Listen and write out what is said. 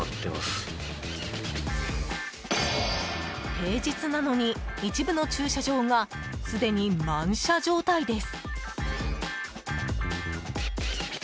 平日なのに、一部の駐車場がすでに満車状態です。